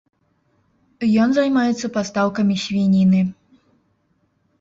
Ён займаецца пастаўкамі свініны.